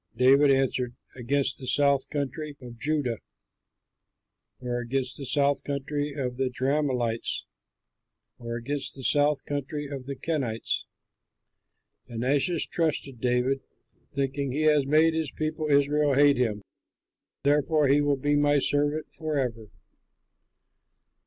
David answered, "Against the South Country of Judah, or against the South Country of the Jerahmeelites, or against the South Country of the Kenites." And Achish trusted David, thinking, "He has made his people Israel hate him; therefore he will be my servant forever."